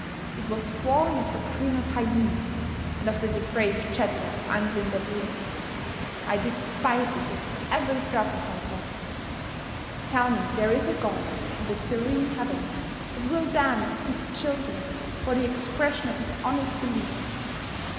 It was born of the grin of hyenas and of the depraved chatter of unclean baboons. I despise it with every drop of my blood. Tell me there is a God in the serene heavens that will damn his children for the expression of an honest belief!